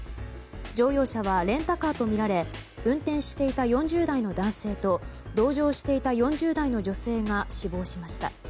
乗用車はレンタカーとみられ運転していた４０代の男性と同乗していた４０代の女性が死亡しました。